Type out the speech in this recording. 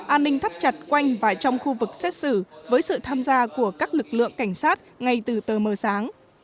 an ninh thắt chặt quanh và trong khu vực xét xử với sự tham gia của các lực lượng cảnh sát ngay từ tơ mờ sáng